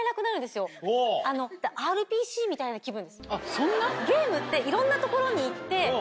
そんな？